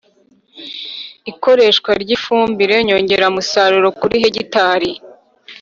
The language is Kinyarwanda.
ikoreshwa ry'ifumbire nyongeramusaruro kuri hegitare